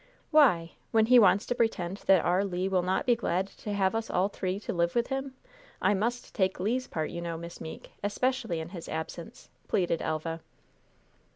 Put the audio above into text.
"Why? When he wants to pretend that our Le will not be glad to have us all three to live with him? I must take Le's part, you know, Miss Meeke, especially in his absence," pleaded Elva.